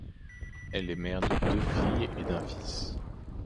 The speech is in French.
Elle est mère de deux filles et d'un fils.